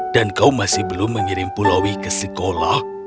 dan kau masih belum mengirim pulowi ke sekolah